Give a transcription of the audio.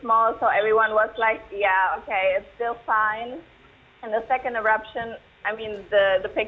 tapi saya rasa orang orang juga lebih takut karena saya pikir pembentangan pertama sangat kecil